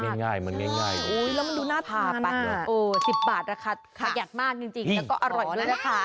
มันง่ายแล้วมันดูน่าทรมานา๑๐บาทละค่ะขักอยากมากจริงแล้วก็อร่อยด้วยนะคะ